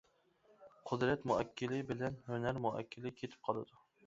قۇدرەت مۇئەككىلى بىلەن ھۈنەر مۇئەككىلى كېتىپ قالىدۇ.